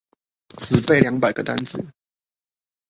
只背兩百個單字